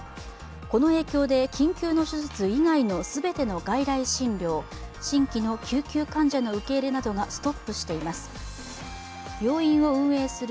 この影響で緊急の手術以外の全ての外来診療新規の救急患者の受け入れなどがストップしています。